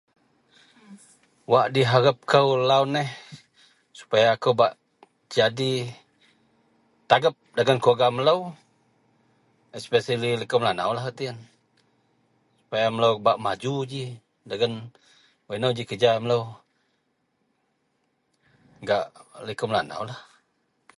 wak diharap kou lau neh supaya akou bak jadi tagep dagen keluarga melou especially liko melanaulah arti ien, supaya melou bak maju ji dagen wak inou ji kerja melou gak likou melanaulah